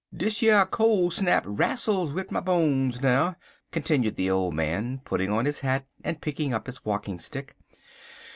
Dish yer col' snap rastles wid my bones, now," continued the old man, putting on his hat and picking up his walking stick.